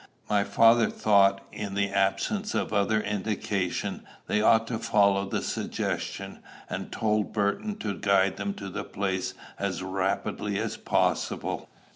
My father thought, in the absence of other indication, they ought to follow the suggestion, and told Burton to guide them to the place as rapidly as possible.